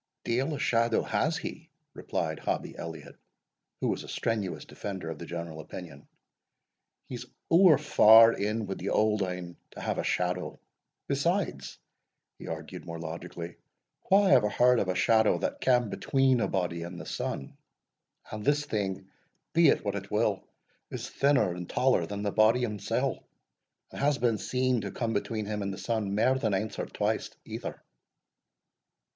"Deil a shadow has he," replied Hobbie Elliot, who was a strenuous defender of the general opinion; "he's ower far in wi' the Auld Ane to have a shadow. Besides," he argued more logically, "wha ever heard of a shadow that cam between a body and the sun? and this thing, be it what it will, is thinner and taller than the body himsell, and has been seen to come between him and the sun mair than anes or twice either."